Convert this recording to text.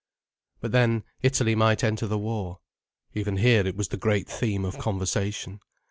But then, Italy might enter the war. Even here it was the great theme of conversation.